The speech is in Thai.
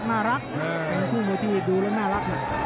น่ารักคู่มิวที่ดูแล้วน่ารักนะ